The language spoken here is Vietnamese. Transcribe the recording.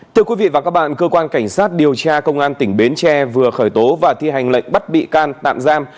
thưa quý vị và các bạn cơ quan cảnh sát điều tra công an tỉnh bến tre vừa khởi tố và thi hành lệnh bắt bị can tạm giam